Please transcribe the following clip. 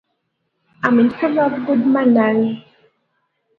I am in favour of good manners.